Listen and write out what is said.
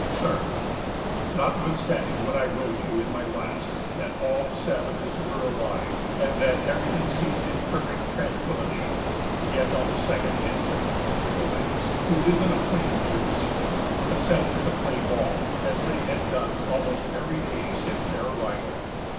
"Sir: "Notwithstanding what I wrote you in my last, that all the savages were arrived, and that every thing seemed in perfect tranquillity, yet on the second instant the Chippeways, who live in a plain near this fort, assembled to play ball, as they had done almost every day since their arrival.